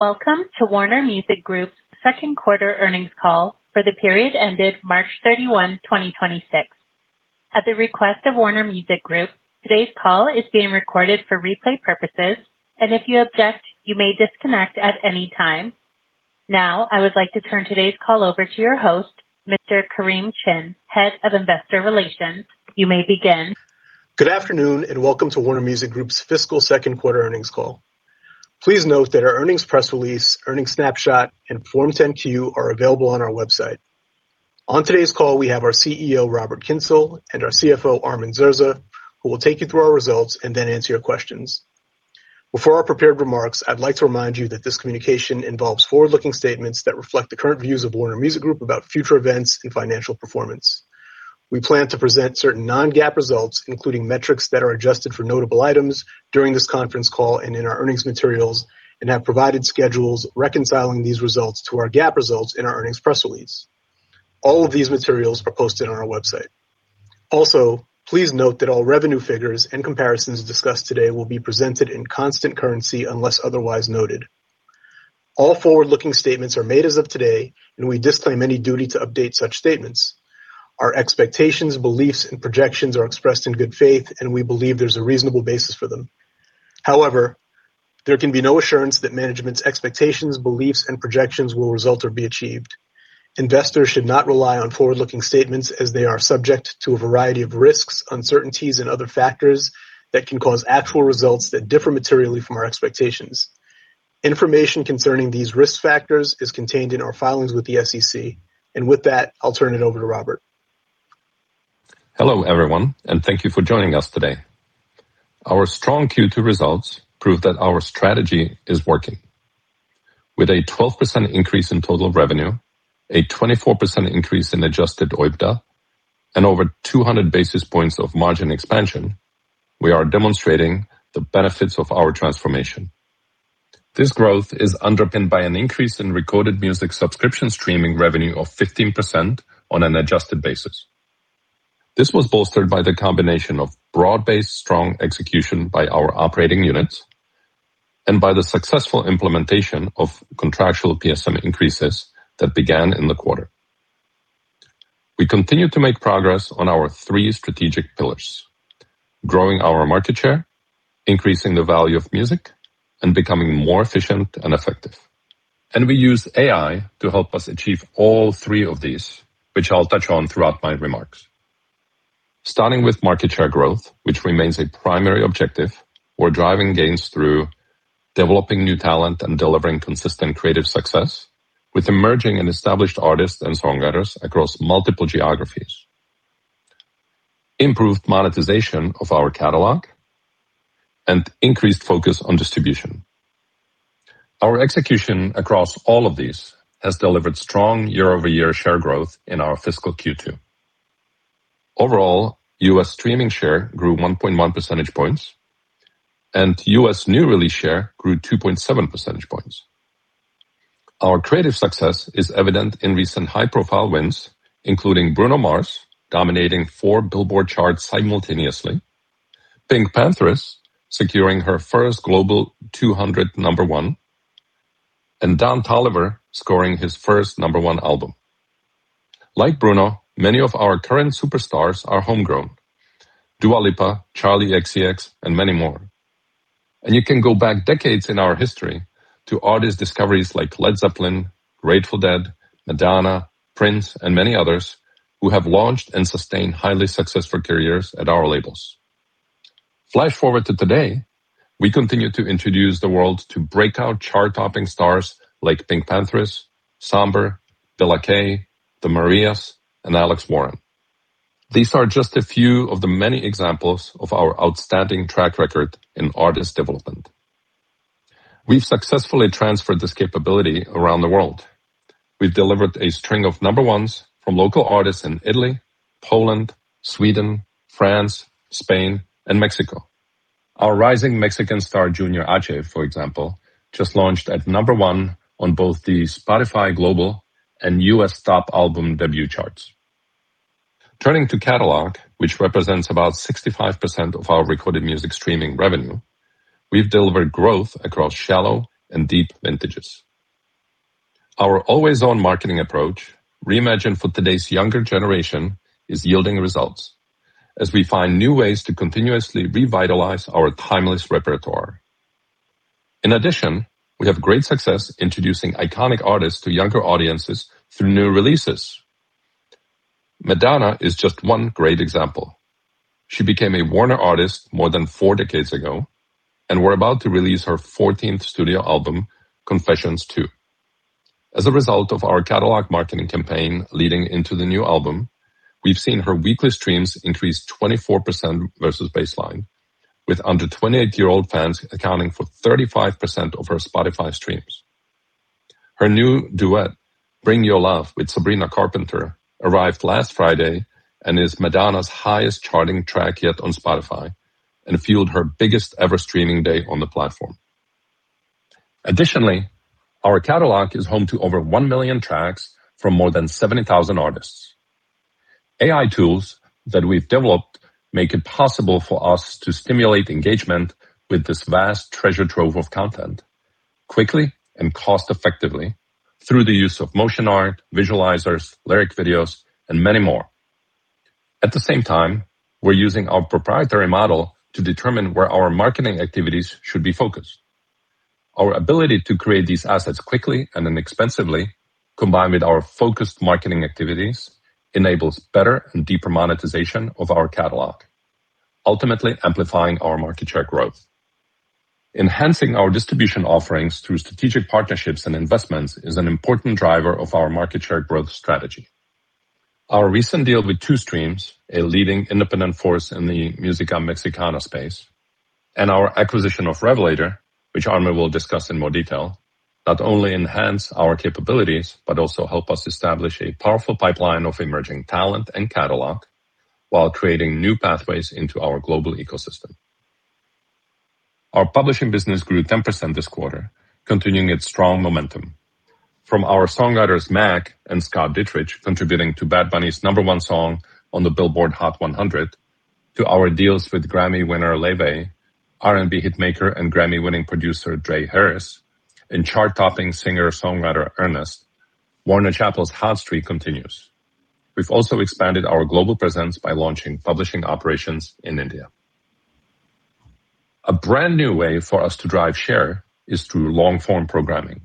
Welcome to Warner Music Group's second quarter earnings call for the period ended March 31, 2026. At the request of Warner Music Group, today's call is being recorded for replay purposes, and if you object, you may disconnect at any time. Now, I would like to turn today's call over to your host, Mr. Kareem Chin, Head of Investor Relations. You may begin. Good afternoon, welcome to Warner Music Group's Fiscal Second Quarter Earnings Call. Please note that our earnings press release, earnings snapshot, and Form 10-Q are available on our website. On today's call, we have our CEO, Robert Kyncl, and our CFO, Armin Zerza, who will take you through our results and then answer your questions. Before our prepared remarks, I'd like to remind you that this communication involves forward-looking statements that reflect the current views of Warner Music Group about future events and financial performance. We plan to present certain non-GAAP results, including metrics that are adjusted for notable items during this conference call and in our earnings materials and have provided schedules reconciling these results to our GAAP results in our earnings press release. All of these materials are posted on our website. Please note that all revenue figures and comparisons discussed today will be presented in constant currency unless otherwise noted. All forward-looking statements are made as of today, and we disclaim any duty to update such statements. Our expectations, beliefs, and projections are expressed in good faith, and we believe there's a reasonable basis for them. However, there can be no assurance that management's expectations, beliefs, and projections will result or be achieved. Investors should not rely on forward-looking statements as they are subject to a variety of risks, uncertainties, and other factors that can cause actual results that differ materially from our expectations. Information concerning these risk factors is contained in our filings with the SEC. With that, I'll turn it over to Robert. Hello, everyone, thank you for joining us today. Our strong Q2 results prove that our strategy is working. With a 12% increase in total revenue, a 24% increase in adjusted OIBDA, and over 200 basis points of margin expansion, we are demonstrating the benefits of our transformation. This growth is underpinned by an increase in recorded music subscription streaming revenue of 15% on an adjusted basis. This was bolstered by the combination of broad-based strong execution by our operating units and by the successful implementation of contractual PSM increases that began in the quarter. We continue to make progress on our three strategic pillars, growing our market share, increasing the value of music, and becoming more efficient and effective. We use AI to help us achieve all three of these, which I'll touch on throughout my remarks. Starting with market share growth, which remains a primary objective, we're driving gains through developing new talent and delivering consistent creative success with emerging and established artists and songwriters across multiple geographies, improved monetization of our catalog, and increased focus on distribution. Our execution across all of these has delivered strong year-over-year share growth in our fiscal Q2. Overall, U.S. streaming share grew 1.1 percentage points, and U.S. new release share grew 2.7 percentage points. Our creative success is evident in recent high-profile wins, including Bruno Mars dominating four Billboard charts simultaneously, PinkPantheress securing her first Billboard Global 200 number one, and Don Toliver scoring his first number one album. Like Bruno, many of our current superstars are homegrown, Dua Lipa, Charli xcx, and many more. You can go back decades in our history to artist discoveries like Led Zeppelin, Grateful Dead, Madonna, Prince, and many others who have launched and sustained highly successful careers at our labels. Flash forward to today, we continue to introduce the world to breakout chart-topping stars like PinkPantheress, Sombr, Della K, The Marías, and Alex Warren. These are just a few of the many examples of our outstanding track record in artist development. We've successfully transferred this capability around the world. We've delivered a string of number ones from local artists in Italy, Poland, Sweden, France, Spain, and Mexico. Our rising Mexican star Junior H, for example, just launched at number one on both the Spotify Global and U.S. Top Album Debut charts. Turning to catalog, which represents about 65% of our recorded music streaming revenue, we've delivered growth across shallow and deep vintages. Our always-on marketing approach, reimagined for today's younger generation, is yielding results as we find new ways to continuously revitalize our timeless repertoire. In addition, we have great success introducing iconic artists to younger audiences through new releases. Madonna is just one great example. She became a Warner artist more than four decades ago, and we're about to release her 14th studio album, Confessions II. As a result of our catalog marketing campaign leading into the new album, we've seen her weekly streams increase 24% versus baseline, with under 28-year-old fans accounting for 35% of her Spotify streams. Her new duet, Bring Your Love with Sabrina Carpenter, arrived last Friday and is Madonna's highest charting track yet on Spotify and fueled her biggest-ever streaming day on the platform. Additionally, our catalog is home to over one million tracks from more than 70,000 artists. AI tools that we've developed make it possible for us to stimulate engagement with this vast treasure trove of content quickly and cost-effectively through the use of motion art, visualizers, lyric videos, and many more. At the same time, we're using our proprietary model to determine where our marketing activities should be focused. Our ability to create these assets quickly and inexpensively, combined with our focused marketing activities, enables better and deeper monetization of our catalog, ultimately amplifying our market share growth. Enhancing our distribution offerings through strategic partnerships and investments is an important driver of our market share growth strategy. Our recent deal with TuStreams, a leading independent force in the Música Mexicana space, and our acquisition of Revelator, which Armin will discuss in more detail, not only enhance our capabilities, but also help us establish a powerful pipeline of emerging talent and catalog while creating new pathways into our global ecosystem. Our publishing business grew 10% this quarter, continuing its strong momentum. From our songwriters MAG and Scott Dittrich contributing to Bad Bunny's number one song on the Billboard Hot 100, to our deals with Grammy winner Laufey, R&B hitmaker and Grammy-winning producer Dre Harris, and chart-topping singer-songwriter Ernest, Warner Chappell's hot streak continues. We've also expanded our global presence by launching publishing operations in India. A brand-new way for us to drive share is through long-form programming.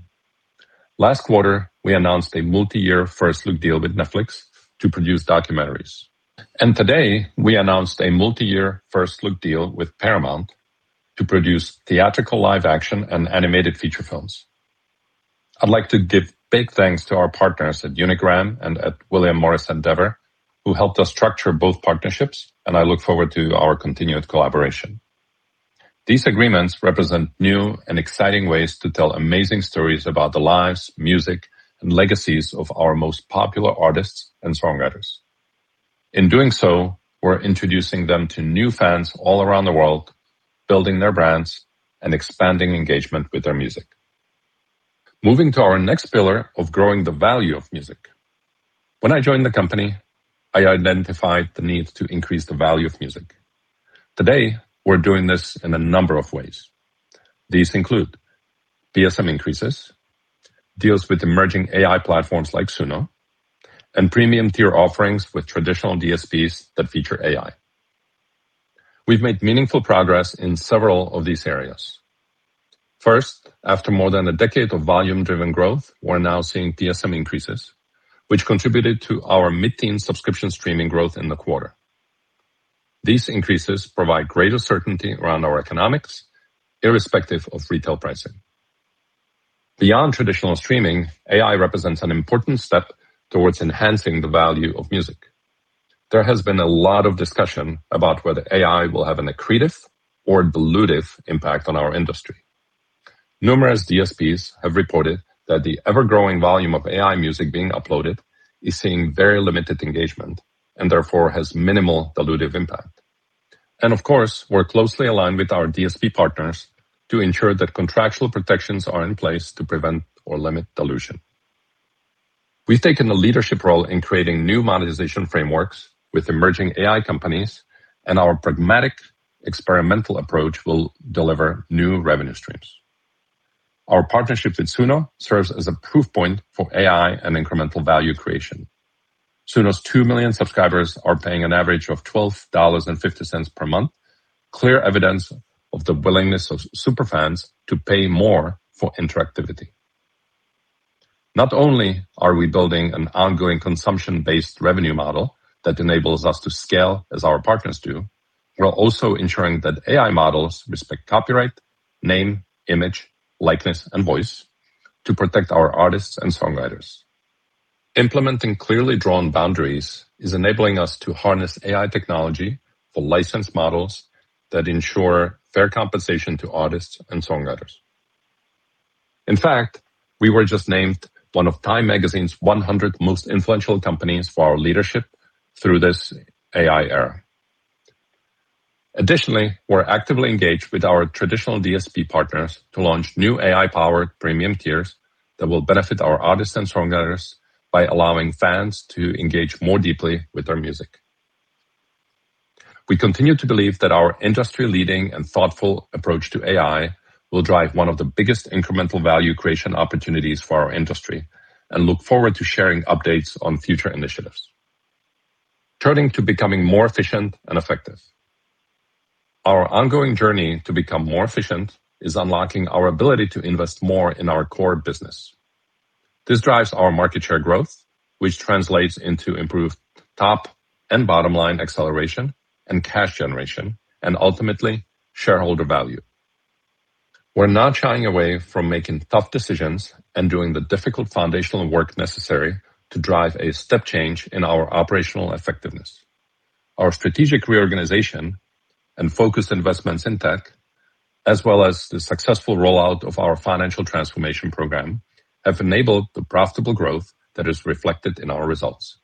Last quarter, we announced a multiyear first-look deal with Netflix to produce documentaries. Today, we announced a multiyear first-look deal with Paramount Pictures to produce theatrical live-action and animated feature films. I'd like to give big thanks to our partners at Unigram and at William Morris Endeavor who helped us structure both partnerships, and I look forward to our continued collaboration. These agreements represent new and exciting ways to tell amazing stories about the lives, music, and legacies of our most popular artists and songwriters. In doing so, we're introducing them to new fans all around the world, building their brands and expanding engagement with their music. Moving to our next pillar of growing the value of music. When I joined the company, I identified the need to increase the value of music. Today, we're doing this in a number of ways. These include TSM increases, deals with emerging AI platforms like Suno, and premium-tier offerings with traditional DSPs that feature AI. We've made meaningful progress in several of these areas. First, after more than a decade of volume-driven growth, we're now seeing TSM increases, which contributed to our mid-teen subscription streaming growth in the quarter. These increases provide greater certainty around our economics, irrespective of retail pricing. Beyond traditional streaming, AI represents an important step towards enhancing the value of music. There has been a lot of discussion about whether AI will have an accretive or dilutive impact on our industry. Numerous DSPs have reported that the ever-growing volume of AI music being uploaded is seeing very limited engagement and therefore has minimal dilutive impact. Of course, we're closely aligned with our DSP partners to ensure that contractual protections are in place to prevent or limit dilution. We've taken a leadership role in creating new monetization frameworks with emerging AI companies. Our pragmatic experimental approach will deliver new revenue streams. Our partnership with Suno serves as a proof point for AI and incremental value creation. Suno's 2 million subscribers are paying an average of $12.50 per month, clear evidence of the willingness of super fans to pay more for interactivity. Not only are we building an ongoing consumption-based revenue model that enables us to scale as our partners do, we are also ensuring that AI models respect copyright, name, image, likeness, and voice to protect our artists and songwriters. Implementing clearly drawn boundaries is enabling us to harness AI technology for license models that ensure fair compensation to artists and songwriters. In fact, we were just named one of TIME magazine's 100 most influential companies for our leadership through this AI era. Additionally, we're actively engaged with our traditional DSP partners to launch new AI-powered premium tiers that will benefit our artists and songwriters by allowing fans to engage more deeply with their music. We continue to believe that our industry-leading and thoughtful approach to AI will drive one of the biggest incremental value creation opportunities for our industry and look forward to sharing updates on future initiatives. Turning to becoming more efficient and effective. Our ongoing journey to become more efficient is unlocking our ability to invest more in our core business. This drives our market share growth, which translates into improved top and bottom-line acceleration and cash generation and ultimately shareholder value. We're not shying away from making tough decisions and doing the difficult foundational work necessary to drive a step change in our operational effectiveness. Our strategic reorganization and focused investments in tech, as well as the successful rollout of our financial transformation program, have enabled the profitable growth that is reflected in our results.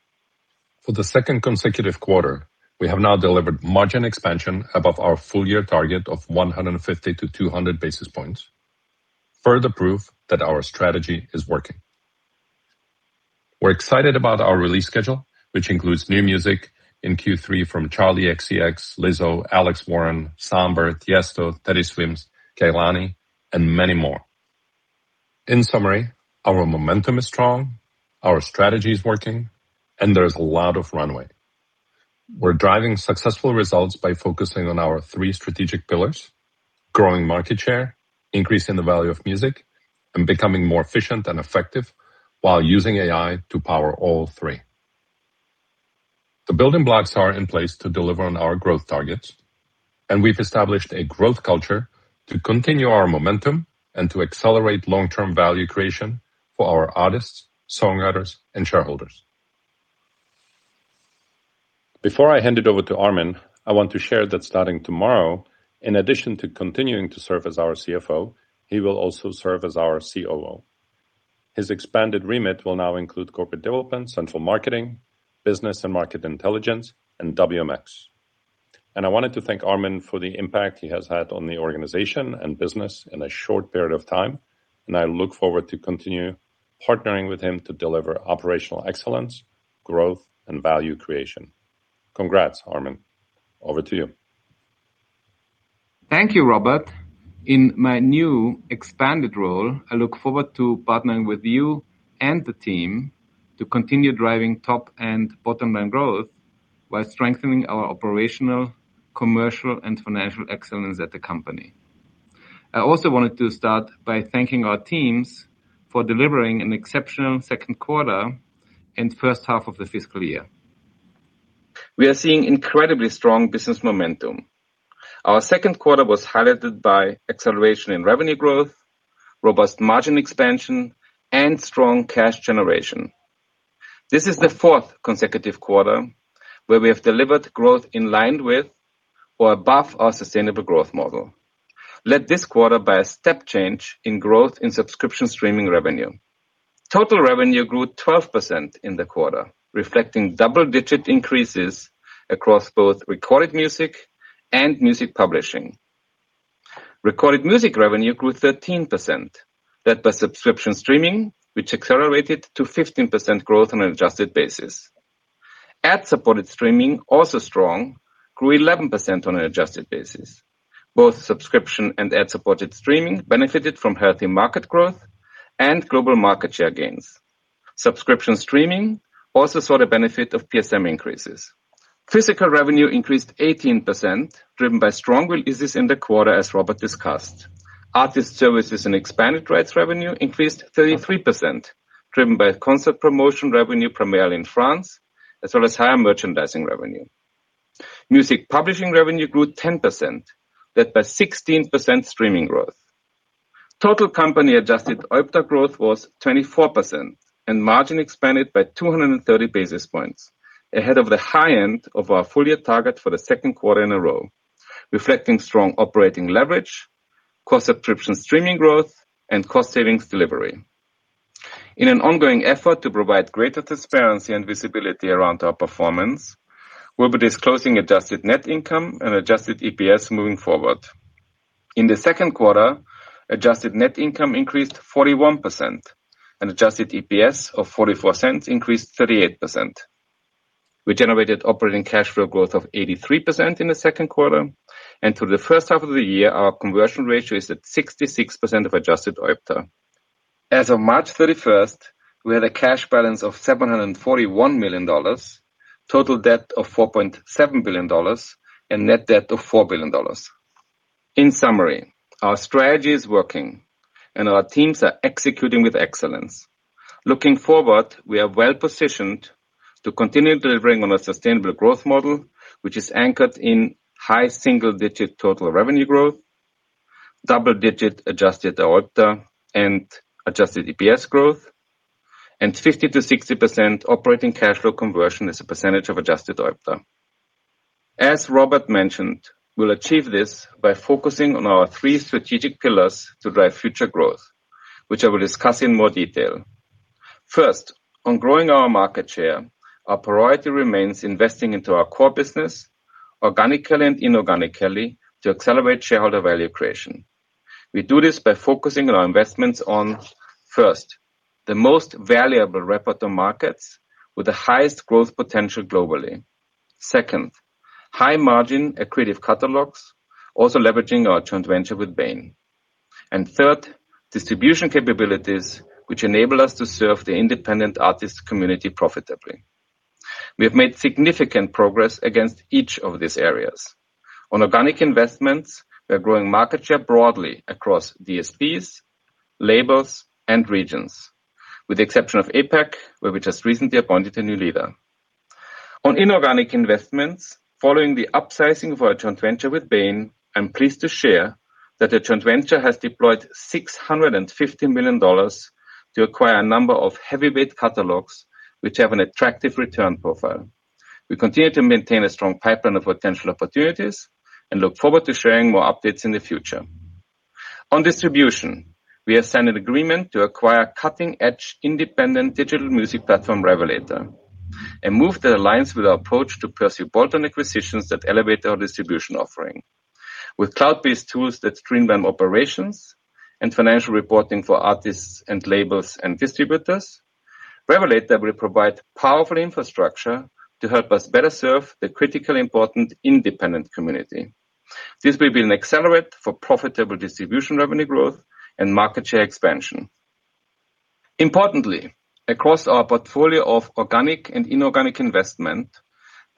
For the second consecutive quarter, we have now delivered margin expansion above our full-year target of 150-200 basis points. Further proof that our strategy is working. We're excited about our release schedule, which includes new music in Q3 from Charli xcx, Lizzo, Alex Warren, Sombr, Tiesto, Teddy Swims, Kehlani, and many more. In summary, our momentum is strong, our strategy is working, and there's a lot of runway. We're driving successful results by focusing on our three strategic pillars, growing market share, increasing the value of music, and becoming more efficient and effective while using AI to power all three. The building blocks are in place to deliver on our growth targets, and we've established a growth culture to continue our momentum and to accelerate long-term value creation for our artists, songwriters, and shareholders. Before I hand it over to Armin, I want to share that starting tomorrow, in addition to continuing to serve as our CFO, he will also serve as our COO. His expanded remit will now include corporate development, central marketing, business and market intelligence, and WMX. I wanted to thank Armin for the impact he has had on the organization and business in a short period of time, and I look forward to continue partnering with him to deliver operational excellence, growth, and value creation. Congrats, Armin. Over to you. Thank you, Robert. In my new expanded role, I look forward to partnering with you and the team to continue driving top and bottom-line growth while strengthening our operational, commercial, and financial excellence at the company. I also wanted to start by thanking our teams for delivering an exceptional second quarter and first half of the fiscal year. We are seeing incredibly strong business momentum. Our second quarter was highlighted by acceleration in revenue growth, robust margin expansion, and strong cash generation. This is the fourth consecutive quarter where we have delivered growth in line with or above our sustainable growth model. Led this quarter by a step change in growth in subscription streaming revenue. Total revenue grew 12% in the quarter, reflecting double-digit increases across both Recorded Music and Music Publishing. Recorded Music revenue grew 13%. Led by subscription streaming, which accelerated to 15% growth on an adjusted basis. Ad-supported streaming, also strong, grew 11% on an adjusted basis. Both subscription and ad-supported streaming benefited from healthy market growth and global market share gains. Subscription streaming also saw the benefit of PSM increases. Physical revenue increased 18%, driven by strong releases in the quarter, as Robert discussed. Artist services and expanded rights revenue increased 33%, driven by concert promotion revenue, primarily in France, as well as higher merchandising revenue. Music publishing revenue grew 10%. Led by 16% streaming growth. Total company-adjusted OIBDA growth was 24% and margin expanded by 230 basis points, ahead of the high end of our full-year target for the second quarter in a row, reflecting strong operating leverage, core subscription streaming growth, and cost savings delivery. In an ongoing effort to provide greater transparency and visibility around our performance, we'll be disclosing adjusted net income and adjusted EPS moving forward. In the second quarter, adjusted net income increased 41% and adjusted EPS of $0.44 increased 38%. We generated operating cash flow growth of 83% in the second quarter, and through the first half of the year, our conversion ratio is at 66% of adjusted OIBDA. As of March 31st, we had a cash balance of $741 million, total debt of $4.7 billion, and net debt of $4 billion. In summary, our strategy is working, and our teams are executing with excellence. Looking forward, we are well-positioned to continue delivering on a sustainable growth model, which is anchored in high single-digit total revenue growth, double-digit adjusted OIBDA and adjusted EPS growth, and 50%-60% operating cash flow conversion as a percentage of adjusted OIBDA. As Robert mentioned, we'll achieve this by focusing on our three strategic pillars to drive future growth, which I will discuss in more detail. First, on growing our market share, our priority remains investing into our core business organically and inorganically to accelerate shareholder value creation. We do this by focusing our investments on, first, the most valuable repertoire markets with the highest growth potential globally. Second, high margin, accretive catalogs, also leveraging our joint venture with Bain. Third, distribution capabilities which enable us to serve the independent artist community profitably. We have made significant progress against each of these areas. On organic investments, we are growing market share broadly across DSPs, labels, and regions, with the exception of APAC, where we just recently appointed a new leader. On inorganic investments, following the upsizing of our joint venture with Bain, I'm pleased to share that the joint venture has deployed $650 million to acquire a number of heavyweight catalogs which have an attractive return profile. We continue to maintain a strong pipeline of potential opportunities and look forward to sharing more updates in the future. On distribution, we have signed an agreement to acquire cutting-edge independent digital music platform Revelator. Aligns with our approach to pursue bolt-on acquisitions that elevate our distribution offering. With cloud-based tools that streamline operations and financial reporting for artists and labels and distributors, Revelator will provide powerful infrastructure to help us better serve the critically important independent community. This will be an accelerant for profitable distribution revenue growth and market share expansion. Importantly, across our portfolio of organic and inorganic investment,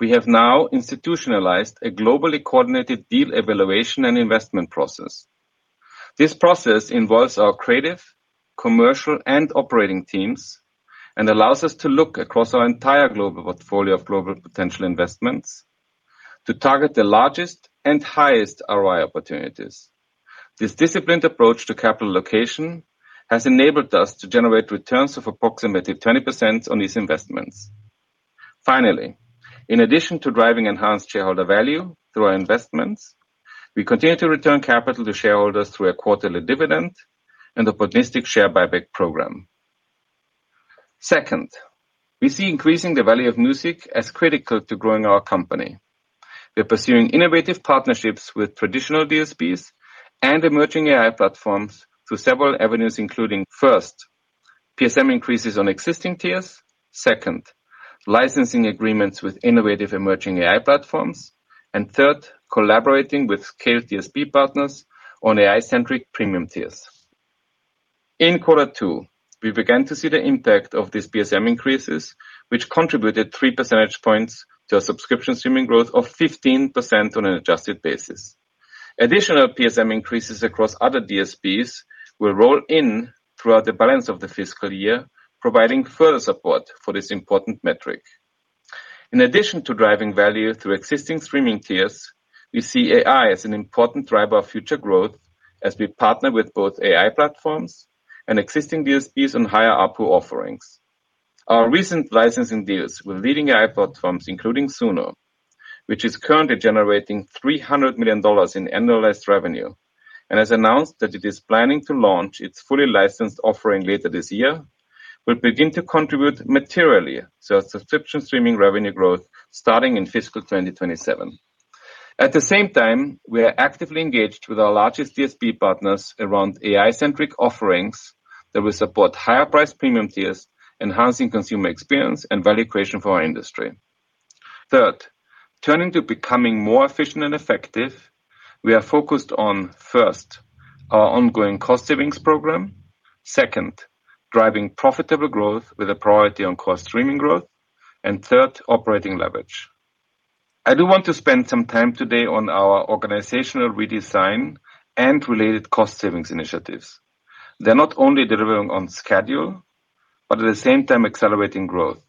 we have now institutionalized a globally coordinated deal evaluation and investment process. This process involves our creative, commercial, and operating teams and allows us to look across our entire global portfolio of global potential investments to target the largest and highest ROI opportunities. This disciplined approach to capital allocation has enabled us to generate returns of approximately 20% on these investments. Finally, in addition to driving enhanced shareholder value through our investments, we continue to return capital to shareholders through our quarterly dividend and opportunistic share buyback program. Second, we see increasing the value of music as critical to growing our company. We are pursuing innovative partnerships with traditional DSPs and emerging AI platforms through several avenues, including, first, PSM increases on existing tiers. Second, licensing agreements with innovative emerging AI platforms. Third, collaborating with scale DSP partners on AI-centric premium tiers. In quarter two, we began to see the impact of these PSM increases, which contributed 3 percentage points to our subscription streaming growth of 15% on an adjusted basis. Additional PSM increases across other DSPs will roll in throughout the balance of the fiscal year, providing further support for this important metric. In addition to driving value through existing streaming tiers, we see AI as an important driver of future growth as we partner with both AI platforms and existing DSPs on higher ARPU offerings. Our recent licensing deals with leading AI platforms, including Suno, which is currently generating $300 million in annualized revenue and has announced that it is planning to launch its fully licensed offering later this year, will begin to contribute materially to our subscription streaming revenue growth starting in fiscal 2027. At the same time, we are actively engaged with our largest DSP partners around AI-centric offerings that will support higher-priced premium tiers, enhancing consumer experience and value creation for our industry. Third, turning to becoming more efficient and effective, we are focused on, first, our ongoing cost savings program. Second, driving profitable growth with a priority on core streaming growth. Third, operating leverage. I do want to spend some time today on our organizational redesign and related cost savings initiatives. They're not only delivering on schedule, but at the same time accelerating growth,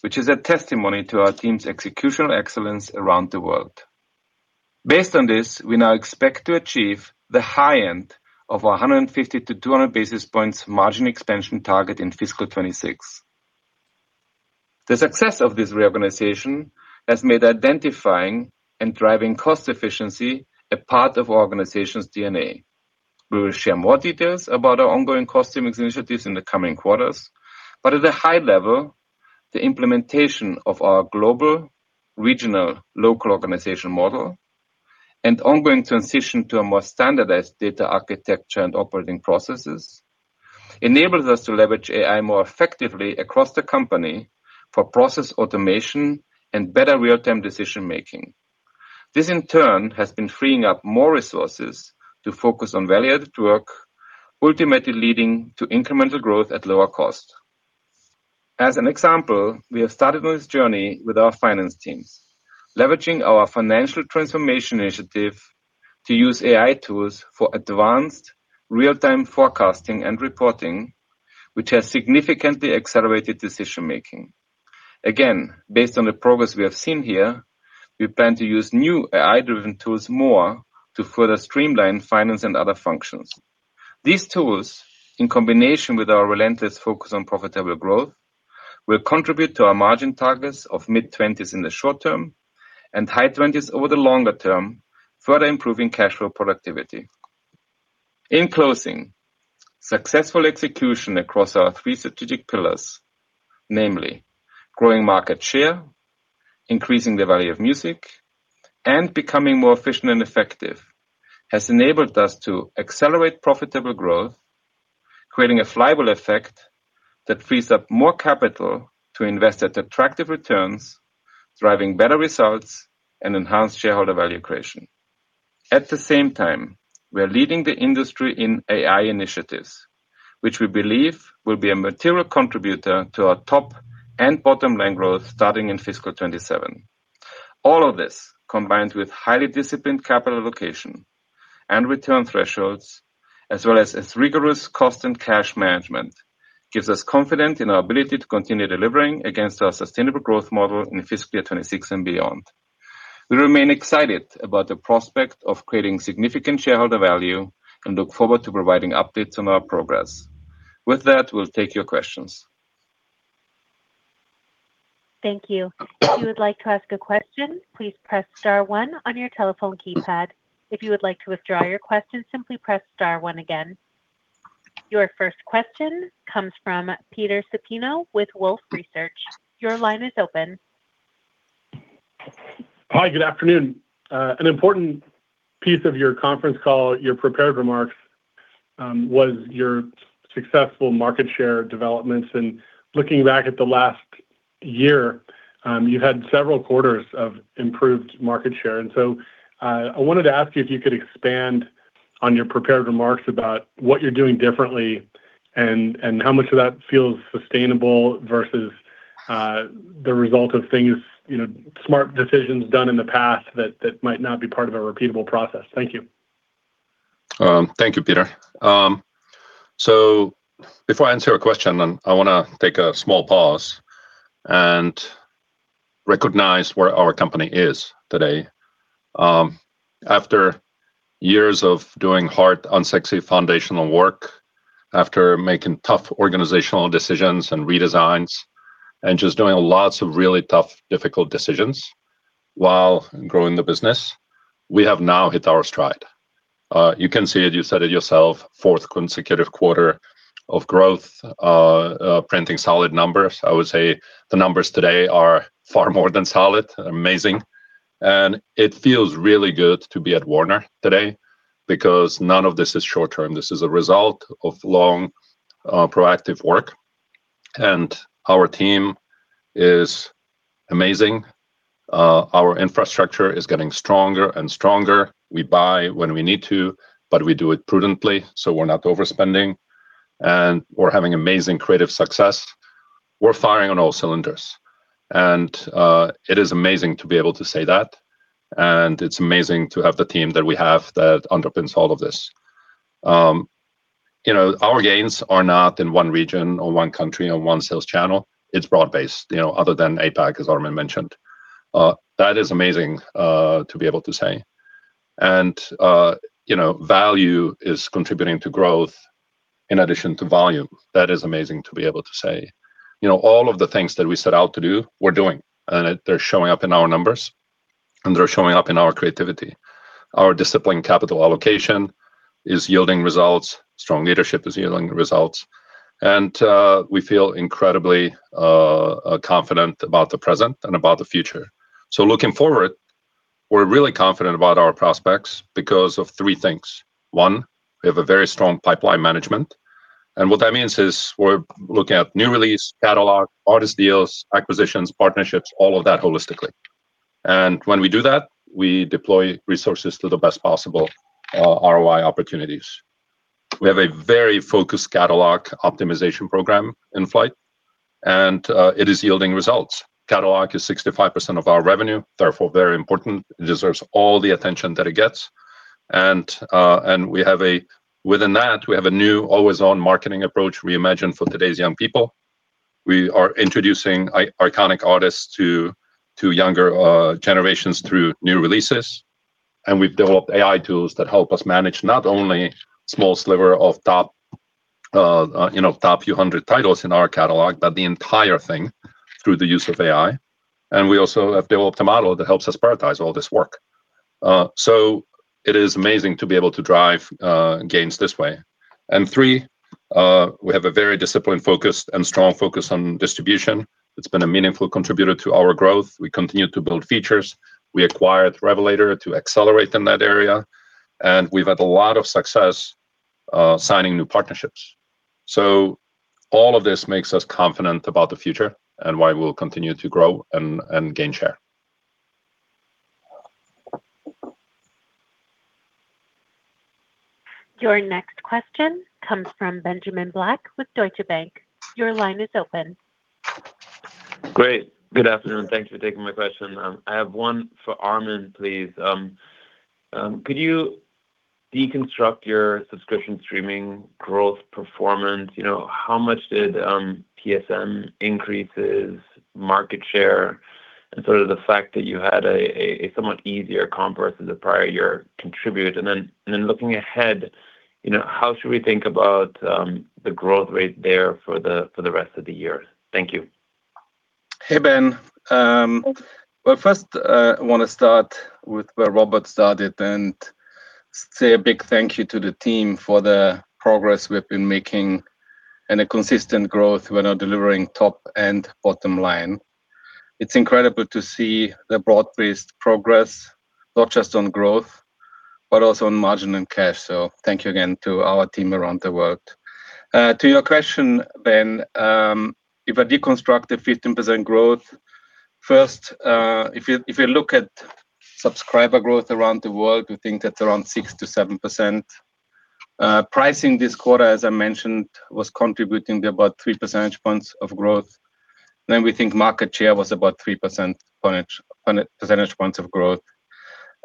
which is a testimony to our team's executional excellence around the world. Based on this, we now expect to achieve the high end of our 150-200 basis points margin expansion target in fiscal 2026. The success of this reorganization has made identifying and driving cost efficiency a part of our organization's DNA. We will share more details about our ongoing cost savings initiatives in the coming quarters. At a high level, the implementation of our global, regional, local organization model and ongoing transition to a more standardized data architecture and operating processes enables us to leverage AI more effectively across the company for process automation and better real-time decision-making. This, in turn, has been freeing up more resources to focus on value-added work, ultimately leading to incremental growth at lower cost. As an example, we have started on this journey with our finance teams, leveraging our financial transformation initiative to use AI tools for advanced real-time forecasting and reporting, which has significantly accelerated decision-making. Again, based on the progress we have seen here, we plan to use new AI-driven tools more to further streamline finance and other functions. These tools, in combination with our relentless focus on profitable growth, will contribute to our margin targets of mid-20s in the short term and high 20s over the longer term, further improving cash flow productivity. In closing, successful execution across our three strategic pillars, namely growing market share, increasing the value of music, and becoming more efficient and effective, has enabled us to accelerate profitable growth, creating a flywheel effect that frees up more capital to invest at attractive returns, driving better results and enhanced shareholder value creation. At the same time, we are leading the industry in AI initiatives, which we believe will be a material contributor to our top and bottom line growth starting in fiscal 2027. All of this, combined with highly disciplined capital allocation and return thresholds, as well as rigorous cost and cash management, gives us confidence in our ability to continue delivering against our sustainable growth model in fiscal year 2026 and beyond. We remain excited about the prospect of creating significant shareholder value and look forward to providing updates on our progress. With that, we'll take your questions. Thank you. If you would like to ask a question, please press star one on your telephone keypad. If you would like to withdraw your question, simply press star one again. Your first question comes from Peter Supino with Wolfe Research. Your line is open. Hi, good afternoon. An important piece of your conference call, your prepared remarks, was your successful market share developments. Looking back at the last year, you had several quarters of improved market share. I wanted to ask you if you could expand on your prepared remarks about what you're doing differently and how much of that feels sustainable versus the result of things smart decisions done in the past that might not be part of a repeatable process. Thank you. Thank you, Peter. Before I answer your question, I wanna take a small pause and recognize where our company is today. After years of doing hard, unsexy foundational work, after making tough organizational decisions and redesigns and just doing lots of really tough, difficult decisions while growing the business, we have now hit our stride. You can see it, you said it yourself, fourth consecutive quarter of growth, printing solid numbers. I would say the numbers today are far more than solid. Amazing. It feels really good to be at Warner today because none of this is short-term. This is a result of long, proactive work, and our team is amazing. Our infrastructure is getting stronger and stronger. We buy when we need to, but we do it prudently, so we're not overspending, and we're having amazing creative success. We're firing on all cylinders, and it is amazing to be able to say that, and it's amazing to have the team that we have that underpins all of this. Our gains are not in one region or one country or one sales channel. It's broad-based other than APAC, as Armin mentioned. That is amazing to be able to say. Value is contributing to growth in addition to volume. That is amazing to be able to say. All of the things that we set out to do, we're doing, they're showing up in our numbers, and they're showing up in our creativity. Our disciplined capital allocation is yielding results. Strong leadership is yielding results. We feel incredibly confident about the present and about the future. Looking forward, we're really confident about our prospects because of three things. One, we have a very strong pipeline management, and what that means is we're looking at new release, catalog, artist deals, acquisitions, partnerships, all of that holistically. When we do that, we deploy resources to the best possible ROI opportunities. We have a very focused catalog optimization program in flight, and it is yielding results. Catalog is 65% of our revenue, therefore very important. It deserves all the attention that it gets. Within that, we have a new always-on marketing approach reimagined for today's young people. We are introducing iconic artists to younger generations through new releases. We've developed AI tools that help us manage not only small sliver of top few hundred titles in our catalog, but the entire thing through the use of AI. We also have developed a model that helps us prioritize all this work. It is amazing to be able to drive gains this way. Three, we have a very disciplined focus and strong focus on distribution. It's been a meaningful contributor to our growth. We continue to build features. We acquired Revelator to accelerate in that area. We've had a lot of success signing new partnerships. All of this makes us confident about the future and why we'll continue to grow and gain share. Your next question comes from Benjamin Black with Deutsche Bank. Your line is open. Great. Good afternoon. Thank you for taking my question. I have one for Armin, please. Could you deconstruct your subscription streaming growth performance? How much did TSM increases market share and sort of the fact that you had a somewhat easier comp versus the prior year contribute? Then looking ahead how should we think about the growth rate there for the rest of the year? Thank you. Hey, Ben. Well, first, I wanna start with where Robert started and say a big thank you to the team for the progress we've been making and a consistent growth we're now delivering top and bottom line. It's incredible to see the broad-based progress, not just on growth, but also on margin and cash. Thank you again to our team around the world. To your question, Ben, if I deconstruct the 15% growth, first, if you look at subscriber growth around the world, we think that's around 6%-7%. Pricing this quarter, as I mentioned, was contributing to about 3 percentage points of growth. We think market share was about 3 percentage points of growth.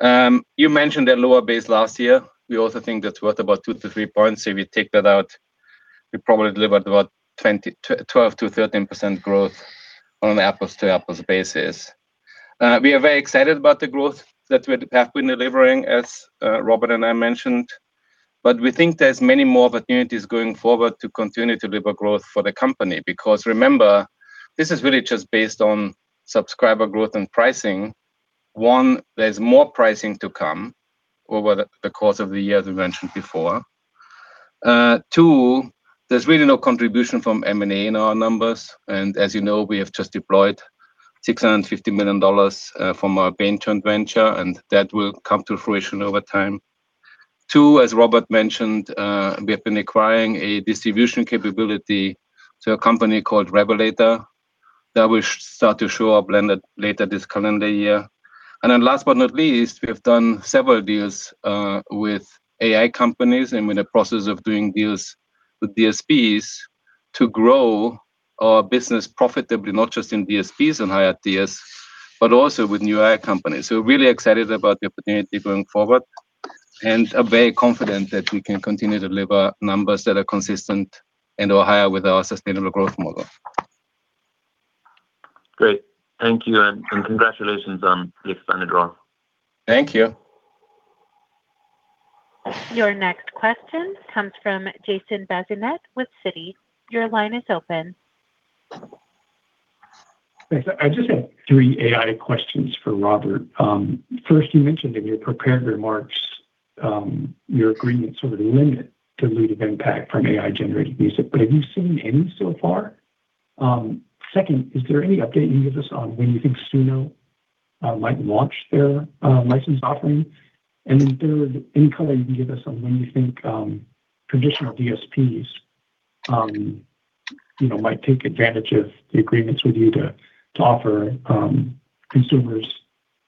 You mentioned a lower base last year. We also think that's worth about 2-3 points. If you take that out, we probably delivered about 12%-13% growth on an apples to apples basis. We are very excited about the growth that we have been delivering, as Robert and I mentioned, but we think there's many more opportunities going forward to continue to deliver growth for the company. Remember, this is really just based on subscriber growth and pricing. One, there's more pricing to come over the course of the year as we mentioned before. Two, there's really no contribution from M&A in our numbers, and as you know, we have just deployed $650 million from our venture and that will come to fruition over time. Two, as Robert mentioned, we have been acquiring a distribution capability to a company called Revelator that will start to show up later this calendar year. Last but not least, we have done several deals with AI companies and we're in the process of doing deals with DSPs to grow our business profitably, not just in DSPs and higher tiers, but also with new AI companies. We're really excited about the opportunity going forward and are very confident that we can continue to deliver numbers that are consistent and/or higher with our sustainable growth model. Great. Thank you and congratulations on the expanded role. Thank you. Your next question comes from Jason Bazinet with Citi. Your line is open. Thanks. I just have three AI questions for Robert. First, you mentioned in your prepared remarks, your agreements sort of limit dilutive impact from AI-generated music, but have you seen any so far? Second, is there any update you can give us on when you think Suno might launch their license offering? Third, any color you can give us on when you think traditional DSPs might take advantage of the agreements with you to offer consumers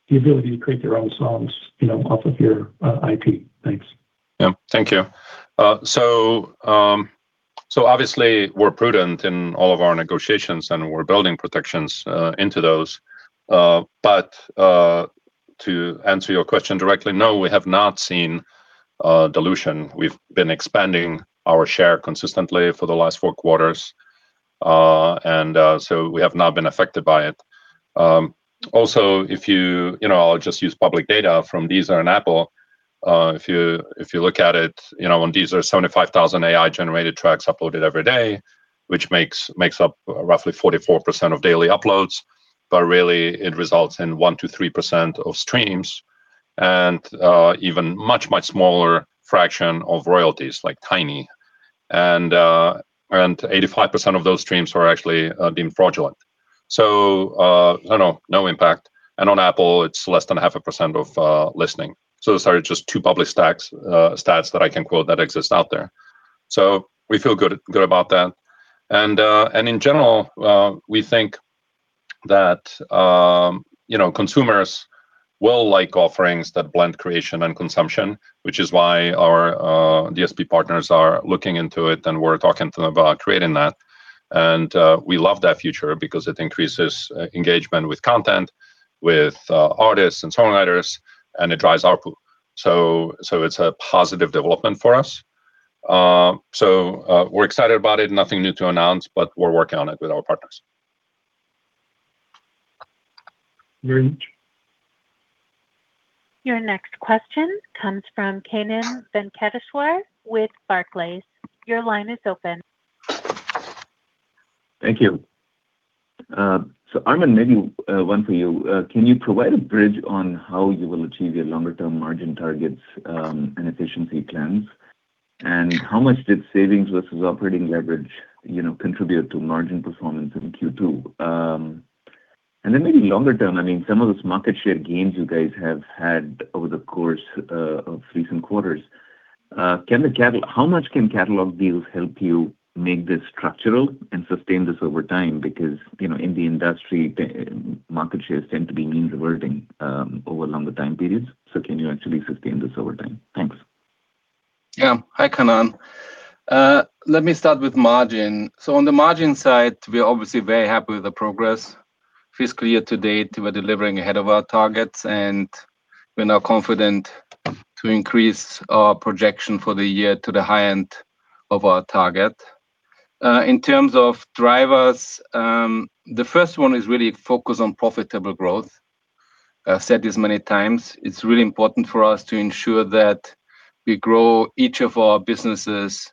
the ability to create their own songs off of your IP? Thanks. Yeah. Thank you. Obviously we're prudent in all of our negotiations, and we're building protections into those. To answer your question directly, no, we have not seen dilution. We've been expanding our share consistently for the last four quarters, and we have not been affected by it. Also, if you know, I'll just use public data from Deezer and Apple. If you, if you look at it on Deezer, 75,000 AI-generated tracks uploaded every day, which makes up roughly 44% of daily uploads, but really it results in 1%-3% of streams and even much smaller fraction of royalties, like tiny. 85% of those streams are actually deemed fraudulent. No impact. On Apple, it's less than half a percent of listening. Those are just two public stats that I can quote that exist out there. We feel good about that. In general, we think that consumers will like offerings that blend creation and consumption, which is why our DSP partners are looking into it, and we're talking to them about creating that. We love that future because it increases engagement with content, with artists and songwriters, and it drives output. It's a positive development for us. We're excited about it. Nothing new to announce, but we're working on it with our partners. Great. Your next question comes from Kannan Venkateshwar with Barclays. Your line is open. Thank you. Armin, maybe one for you. Can you provide a bridge on how you will achieve your longer term margin targets and efficiency plans? How much did savings versus operating leverage contribute to margin performance in Q2? Maybe longer term, I mean, some of those market share gains you guys have had over the course of recent quarters, how much can catalog deals help you make this structural and sustain this over time? Because in the industry, the market shares tend to be mean reverting over longer time periods. Can you actually sustain this over time? Thanks. Hi, Kannan. Let me start with margin. On the margin side, we're obviously very happy with the progress. Fiscal year to date, we're delivering ahead of our targets, and we're now confident to increase our projection for the year to the high end of our target. In terms of drivers, the first one is really focus on profitable growth. I've said this many times. It's really important for us to ensure that we grow each of our businesses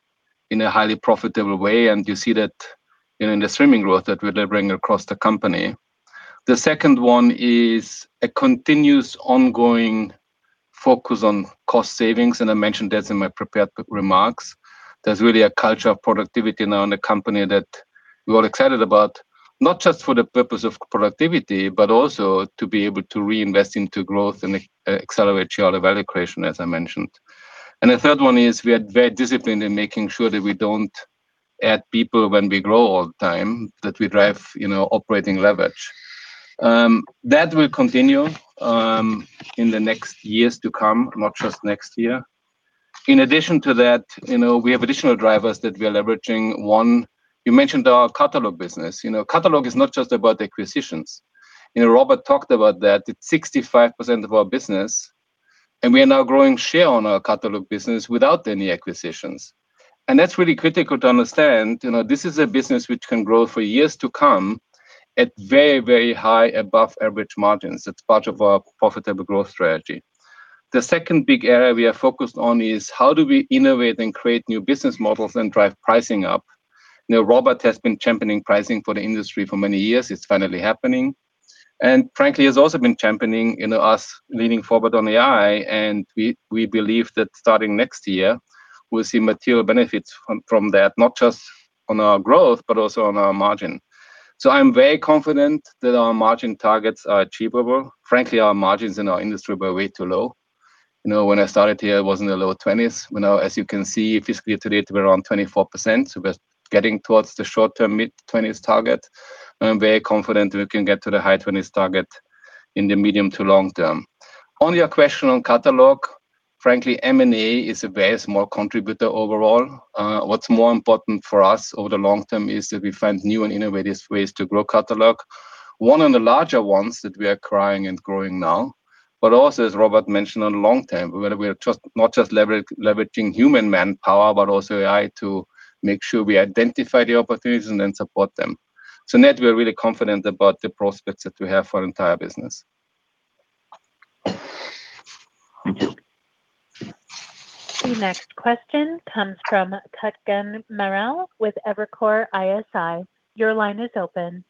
in a highly profitable way, and you see that in the streaming growth that we're delivering across the company. The second one is a continuous ongoing focus on cost savings, and I mentioned this in my prepared remarks. There's really a culture of productivity now in the company that we are excited about, not just for the purpose of productivity, but also to be able to reinvest into growth and accelerate share of value creation, as I mentioned. The third one is we are very disciplined in making sure that we don't add people when we grow all the time, that we drive operating leverage. That will continue in the next years to come, not just next year. In addition to that we have additional drivers that we are leveraging. One, you mentioned our catalog business. Catalog is not just about acquisitions. Robert talked about that. It's 65% of our business, and we are now growing share on our catalog business without any acquisitions. That's really critical to understand. This is a business which can grow for years to come at very, very high above average margins. It's part of our profitable growth strategy. The second big area we are focused on is how do we innovate and create new business models and drive pricing up? Robert has been championing pricing for the industry for many years. It's finally happening, frankly, he's also been championing us leaning forward on AI, we believe that starting next year, we'll see material benefits from that, not just on our growth, but also on our margin. I'm very confident that our margin targets are achievable. Frankly, our margins in our industry were way too low. When I started here, it was in the low 20s. As you can see, fiscally to date, we're around 24%. We're getting towards the short-term mid-20s target. I'm very confident we can get to the high 20s target in the medium to long term. On your question on catalog, frankly, M&A is the best more contributor overall. What's more important for us over the long term is that we find new and innovative ways to grow catalog. One of the larger ones that we are acquiring and growing now, but also, as Robert mentioned, on long term, where we are not just leveraging human manpower, but also AI to make sure we identify the opportunities and then support them. Net, we are really confident about the prospects that we have for our entire business. Thank you. The next question comes from Kutgun Maral with Evercore ISI. Your line is open.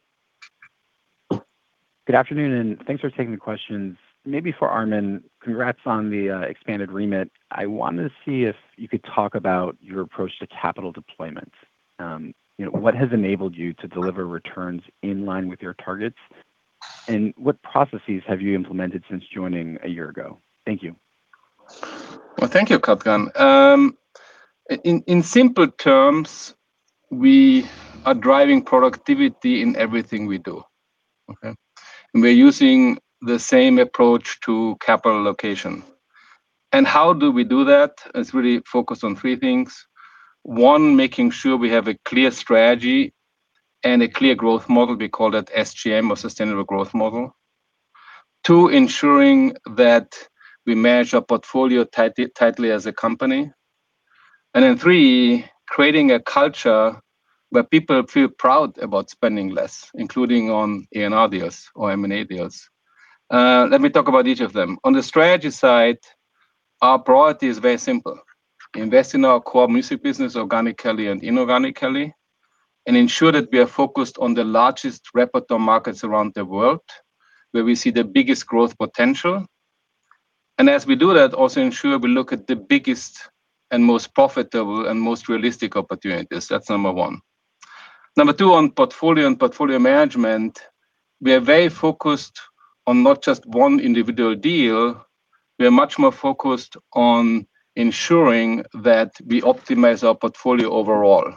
Good afternoon. Thanks for taking the questions. Maybe for Armin, congrats on the expanded remit. I wanted to see if you could talk about your approach to capital deployment. What has enabled you to deliver returns in line with your targets, and what processes have you implemented since joining a year ago? Thank you. Well, thank you, Kutgun Maral. In simple terms, we are driving productivity in everything we do, okay? We're using the same approach to capital allocation. How do we do that? It's really focused on three things. One, making sure we have a clear strategy and a clear growth model, we call it SGM or sustainable growth model. Two, ensuring that we manage our portfolio tightly as a company. Then three, creating a culture where people feel proud about spending less, including on A&R deals or M&A deals. Let me talk about each of them. On the strategy side, our priority is very simple: invest in our core music business organically and inorganically and ensure that we are focused on the largest repertoire markets around the world where we see the biggest growth potential. As we do that, also ensure we look at the biggest and most profitable and most realistic opportunities. That's number one. Number two, on portfolio and portfolio management, we are very focused on not just one individual deal. We are much more focused on ensuring that we optimize our portfolio overall.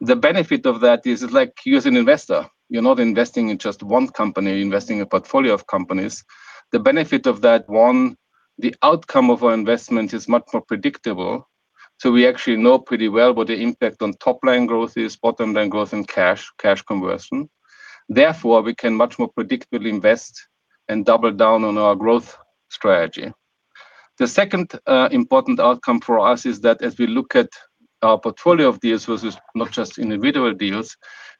The benefit of that is like you as an investor. You're not investing in just one company, you're investing in a portfolio of companies. The benefit of that, one, the outcome of our investment is much more predictable, so we actually know pretty well what the impact on top line growth is, bottom line growth and cash conversion. We can much more predictably invest and double down on our growth strategy. The second important outcome for us is that as we look at our portfolio of deals versus not just individual deals,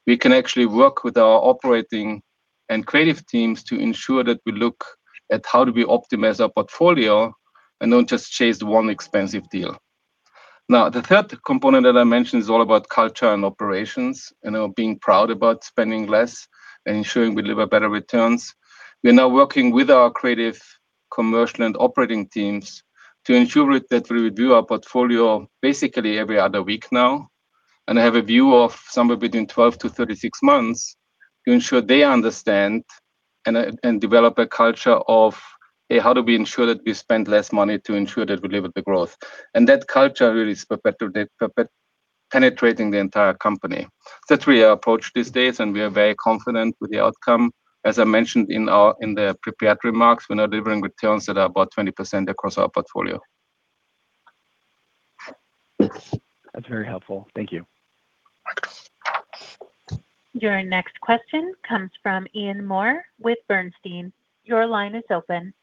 we can actually work with our operating and creative teams to ensure that we look at how do we optimize our portfolio and don't just chase one expensive deal. The third component that I mentioned is all about culture and operations being proud about spending less and ensuring we deliver better returns. We're now working with our creative, commercial, and operating teams to ensure it that we review our portfolio basically every other week now and have a view of somewhere between 12-36 months to ensure they understand and develop a culture of, "Hey, how do we ensure that we spend less money to ensure that we deliver the growth?" That culture really is penetrating the entire company. That's really our approach these days, and we are very confident with the outcome. As I mentioned in the prepared remarks, we are delivering returns that are about 20% across our portfolio. That's very helpful. Thank you. Your next question comes from Ian Moore with Bernstein. Your line is open.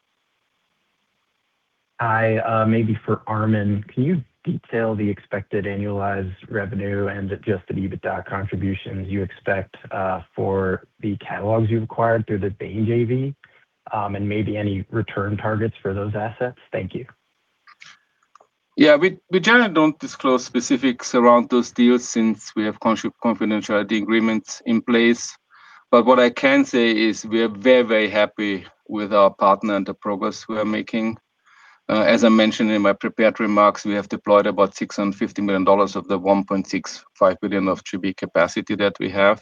Hi. Maybe for Armin. Can you detail the expected annualized revenue and adjusted EBITDA contributions you expect for the catalogs you've acquired through the Bain JV, and maybe any return targets for those assets? Thank you. We generally don't disclose specifics around those deals since we have confidentiality agreements in place. What I can say is we are very happy with our partner and the progress we are making. As I mentioned in my prepared remarks, we have deployed about $650 million of the $1.65 billion of JV capacity that we have.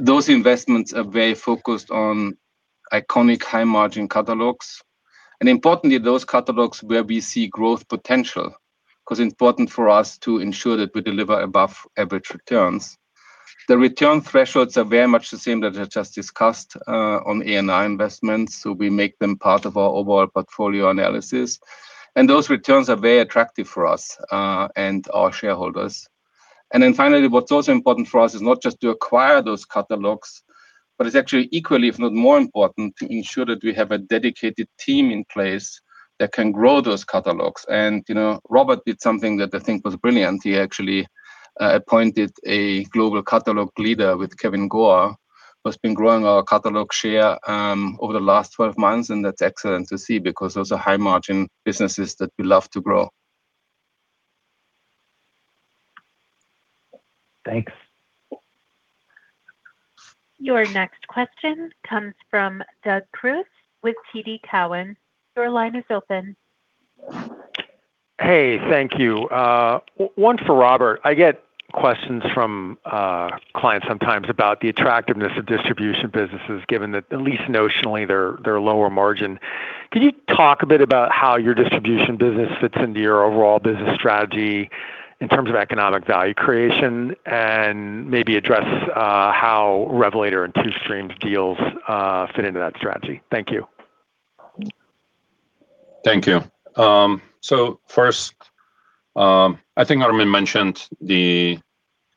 Those investments are very focused on iconic high-margin catalogs, and importantly, those catalogs where we see growth potential, because important for us to ensure that we deliver above-average returns. The return thresholds are very much the same that I just discussed on A&R investments, we make them part of our overall portfolio analysis. Those returns are very attractive for us and our shareholders. Finally, what's also important for us is not just to acquire those catalogs, but it's actually equally, if not more important, to ensure that we have a dedicated team in place that can grow those catalogs. Robert did something that I think was brilliant. He actually appointed a global catalog leader with Kevin Gore has been growing our catalog share over the last 12 months, that's excellent to see because those are high margin businesses that we love to grow. Thanks. Your next question comes from Doug Creutz with TD Cowen. Your line is open. Hey, thank you. One for Robert. I get questions from clients sometimes about the attractiveness of distribution businesses, given that at least notionally they're lower margin. Can you talk a bit about how your distribution business fits into your overall business strategy in terms of economic value creation, and maybe address how Revelator and TuStreams deals fit into that strategy? Thank you. Thank you. First, I think Armin mentioned the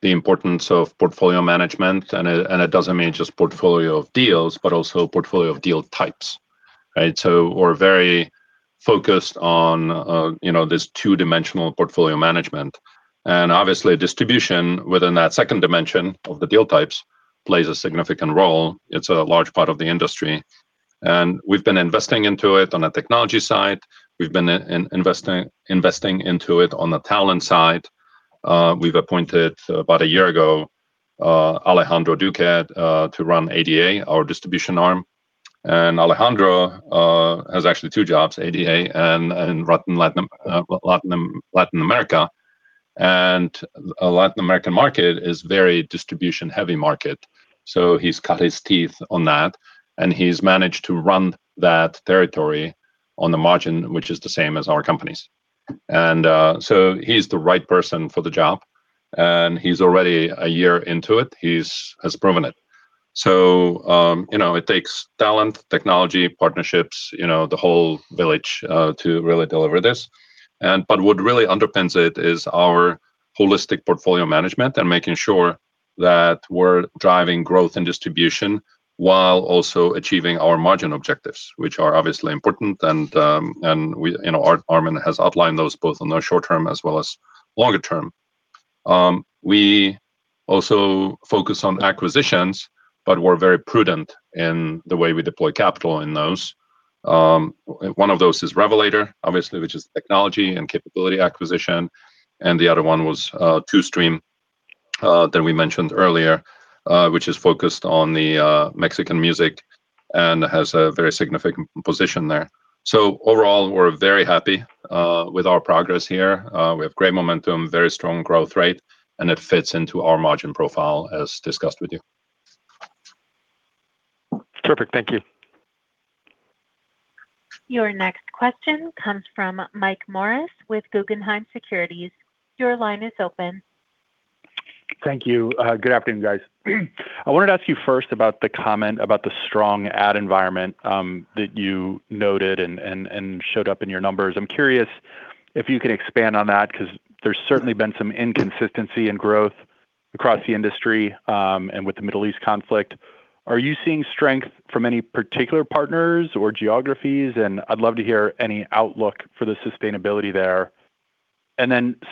importance of portfolio management and it doesn't mean just portfolio of deals, but also portfolio of deal types, right? We're very focused on this two-dimensional portfolio management, and obviously distribution within that second dimension of the deal types plays a significant role. It's a large part of the industry, and we've been investing into it on a technology side. We've been investing into it on the talent side. We've appointed, about one year ago, Alejandro Duque to run ADA, our distribution arm, and Alejandro has actually two jobs, ADA and Latin America. The Latin American market is very distribution-heavy market, so he's cut his teeth on that, and he's managed to run that territory on the margin, which is the same as our companies. He's the right person for the job, and he's already a year into it. He has proven it. It takes talent, technology, partnerships the whole village to really deliver this. What really underpins it is our holistic portfolio management and making sure that we're driving growth and distribution while also achieving our margin objectives, which are obviously important. We and Armin has outlined those both on the short term as well as longer term. We also focus on acquisitions, but we're very prudent in the way we deploy capital in those. One of those is Revelator, obviously, which is technology and capability acquisition, and the other one was TuStreams that we mentioned earlier, which is focused on the Música Mexicana and has a very significant position there. Overall, we're very happy with our progress here. We have great momentum, very strong growth rate, and it fits into our margin profile as discussed with you. Terrific. Thank you. Your next question comes from Mike Morris with Guggenheim Securities. Your line is open. Thank you. Good afternoon, guys. I wanted to ask you first about the comment about the strong ad environment, that you noted and showed up in your numbers. I'm curious if you could expand on that, 'cause there's certainly been some inconsistency in growth across the industry, and with the Middle East conflict. Are you seeing strength from any particular partners or geographies? I'd love to hear any outlook for the sustainability there.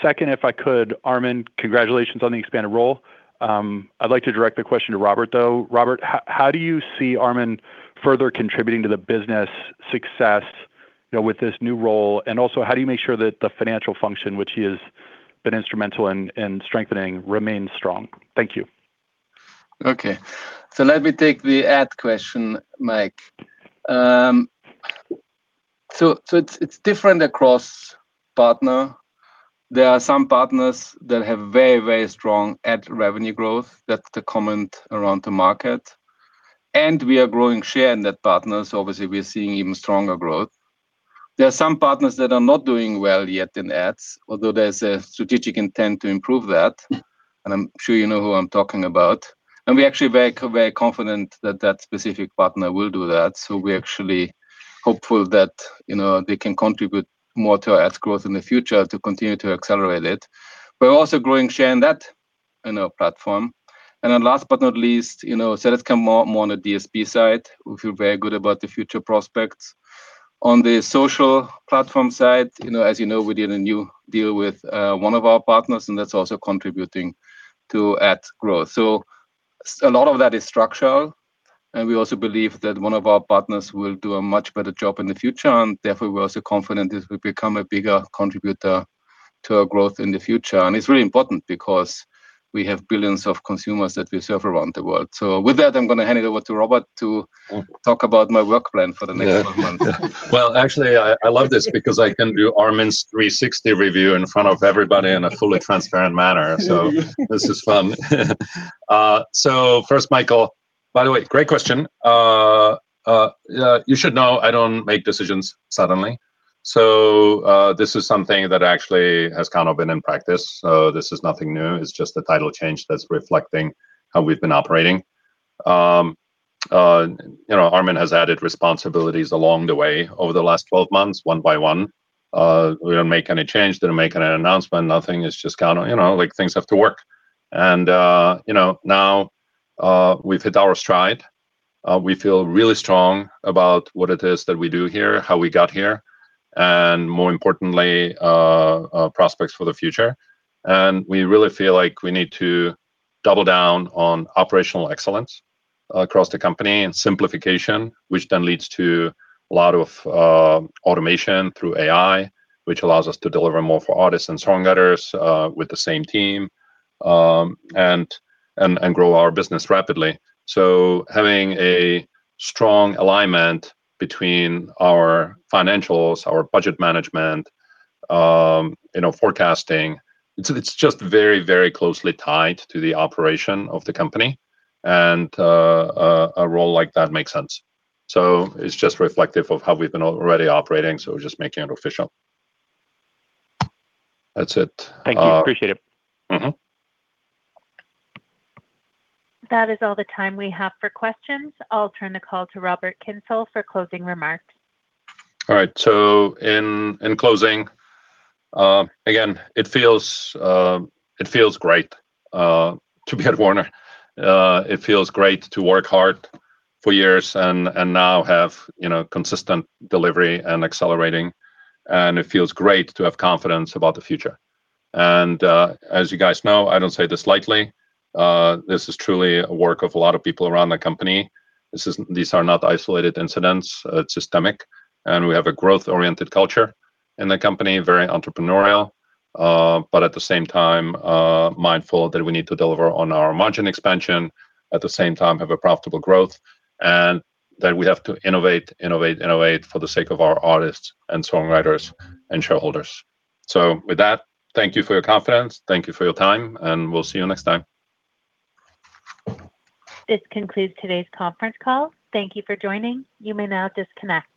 Second, if I could, Armin, congratulations on the expanded role. I'd like to direct the question to Robert, though. Robert, how do you see Armin further contributing to the business success with this new role? Also, how do you make sure that the financial function, which he has been instrumental in strengthening, remains strong? Thank you. Okay. Let me take the ad question, Mike. It's different across partner. There are some partners that have very strong ad revenue growth. That's the comment around the market, we are growing share in that partners. Obviously we are seeing even stronger growth. There are some partners that are not doing well yet in ads, although there's a strategic intent to improve that, I'm sure you know who I'm talking about. We're actually very confident that that specific partner will do that, we're actually hopeful that they can contribute more to our ad growth in the future to continue to accelerate it. We're also growing share in that, in our platform. Last but not least let's come more on the DSP side. We feel very good about the future prospects. On the social platform side as you know, we did a new deal with one of our partners, and that's also contributing to ad growth. A lot of that is structural, and we also believe that one of our partners will do a much better job in the future, and therefore we're also confident this will become a bigger contributor to our growth in the future. It's really important because we have billions of consumers that we serve around the world. With that, I'm going to hand it over to Robert to talk about my work plan for the next 12 months. Well, actually, I love this because I can do Armin's 360 review in front of everybody in a fully transparent manner. This is fun. First, Michael, by the way, great question. You should know I don't make decisions suddenly. This is something that actually has kind of been in practice. This is nothing new. It's just a title change that's reflecting how we've been operating. Armin has added responsibilities along the way over the last 12 months, one by one. We don't make any change. We don't make any announcement. Nothing. It's just kinda like things have to work. Now, we've hit our stride. We feel really strong about what it is that we do here, how we got here, and more importantly, prospects for the future. We really feel like we need to double down on operational excellence across the company and simplification, which then leads to a lot of automation through AI, which allows us to deliver more for artists and songwriters with the same team and grow our business rapidly. Having a strong alignment between our financials, our budget management forecasting, it's just very, very closely tied to the operation of the company and a role like that makes sense. It's just reflective of how we've been already operating, so we're just making it official. That's it. Thank you. Appreciate it. That is all the time we have for questions. I'll turn the call to Robert Kyncl for closing remarks. All right. In closing, again, it feels great to be at Warner. It feels great to work hard for years and now have consistent delivery and accelerating, and it feels great to have confidence about the future. As you guys know, I don't say this lightly, this is truly a work of a lot of people around the company. These are not isolated incidents, it's systemic, and we have a growth-oriented culture in the company, very entrepreneurial, but at the same time, mindful that we need to deliver on our margin expansion, at the same time have a profitable growth, and that we have to innovate, innovate for the sake of our artists and songwriters and shareholders. With that, thank you for your confidence, thank you for your time, and we'll see you next time. This concludes today's conference call. Thank you for joining. You may now disconnect.